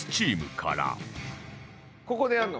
ここでやるの？